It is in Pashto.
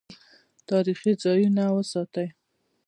تاریخي ځایونه وساتئ